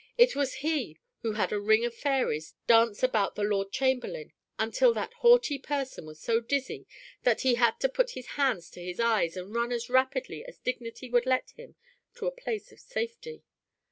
It was he who had a ring of fairies dance about the Lord Chamberlain until that haughty person was so dizzy that he had to put his hands to his eyes and run as rapidly as dignity would let him to a place of safety.